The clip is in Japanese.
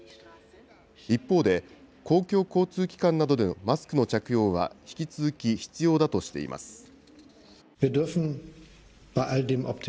一方で、公共交通機関などでのマスクの着用は引き続き必要だとしています。